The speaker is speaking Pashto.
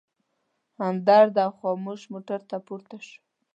همدرد او خاموش موټر ته پورته شوو.